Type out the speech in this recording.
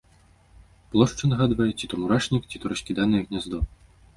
Плошча нагадвае ці то мурашнік, ці то раскіданае гняздо.